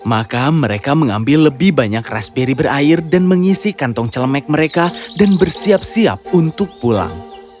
maka mereka mengambil lebih banyak raspberry berair dan mengisi kantong celemek mereka dan bersiap siap untuk pulang